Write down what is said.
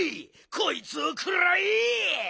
こいつをくらえ！